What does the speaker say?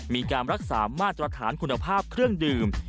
มีการรักษามาตรฐานคุณภาพเครื่องดื่ม